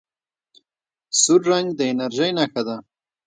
سور رنګ د انرژۍ نښه ده.